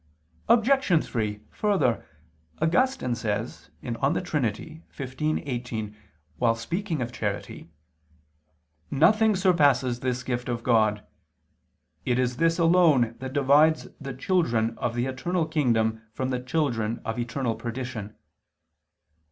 Obj. 3: Further, Augustine says (De Trin. xv, 18) while speaking of charity: "Nothing surpasses this gift of God, it is this alone that divides the children of the eternal kingdom from the children of eternal perdition."